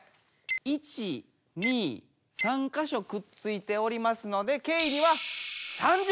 １２３か所くっついておりますのでケイには３０点入ります。